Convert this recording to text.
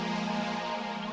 padahal itu oke rebuilding